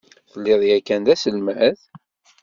Telliḍ yakan d aselmad?